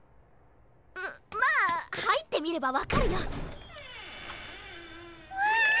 ままあはいってみればわかるよ。わい！